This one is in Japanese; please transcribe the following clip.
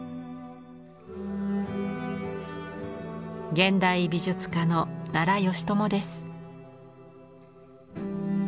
現代美術家の奈良美智です。